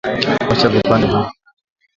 Osha vipande vilivyokatwa